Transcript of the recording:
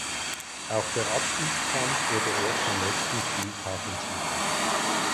Auch der Abstiegskampf wurde erst am letzten Spieltag entschieden.